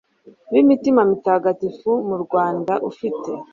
b Imitima Mitagatifu mu Rwanda ufite